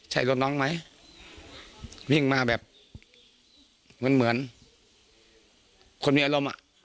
ใช่รถน้องไหมวิ่งมาแบบเหมือนเหมือนคนมีอารมณ์อ่ะ